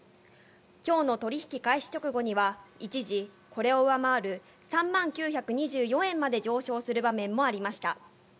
きょうの取り引き開始直後には、一時、これを上回る３万９２４円まで上昇する場面もありました。